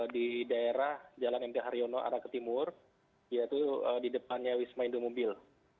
di daerah jalan mt haryono arah ke timur yaitu di depannya wisma indomobil